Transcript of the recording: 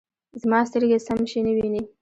زما سترګې سم شی نه وینې